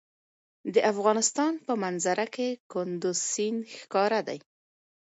د افغانستان په منظره کې کندز سیند ښکاره دی.